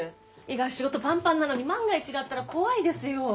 井川仕事パンパンなのに万が一があったら怖いですよ。